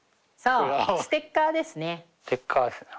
ステッカーですねはい。